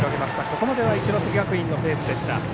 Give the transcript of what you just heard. ここまでは一関学院のペースでした。